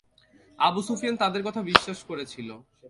Abu Sufyan তাদের কথা বিশ্বাস করেছিল।